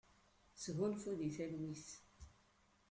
Sgunfu deg talwit.